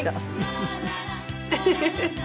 フフフフ！